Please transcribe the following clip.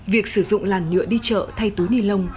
việc sử dụng làn nhựa đi chợ thay túi ni lông